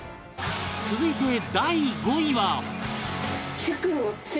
続いて第５位は